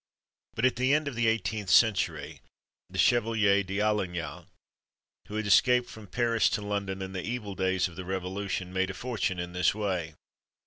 But, at the end of the 18th century, the Chevalier d'Allignac, who had escaped from Paris to London in the evil days of the Revolution, made a fortune in this way.